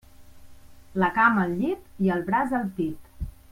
La cama al llit i el braç al pit.